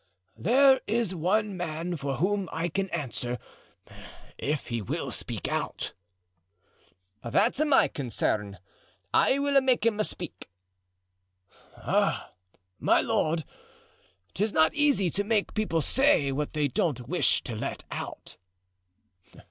"There is one man for whom I can answer, if he will speak out." "That's my concern; I will make him speak." "Ah, my lord, 'tis not easy to make people say what they don't wish to let out."